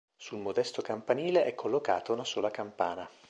Sul modesto campanile è collocata una sola campana.